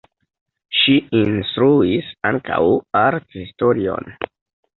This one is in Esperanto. Ŝi instruis ankaŭ arthistorion.